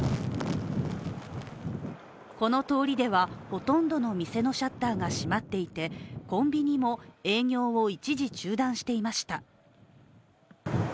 この通りではほとんどの店のシャッターが閉まっていて、コンビニも営業を一時中断していました。